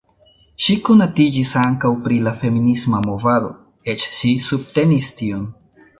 Ŝi konatiĝis ankaŭ pri la feminisma movado, eĉ ŝi subtenis tion.